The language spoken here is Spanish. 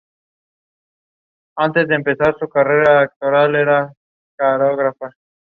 Abancay es un importante centro económico, político y cultural de la región Apurímac.